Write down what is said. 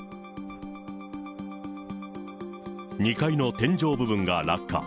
２階の天井部分が落下。